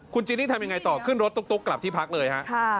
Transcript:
คุณจินนี่ทำยังไงต่อขึ้นรถตุ๊กกลับที่พักเลยฮะ